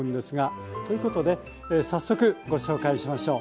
ということで早速ご紹介しましょう。